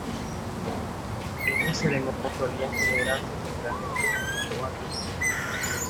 Estas ceremonias solían celebrarse con grandes fiestas y fuegos artificiales.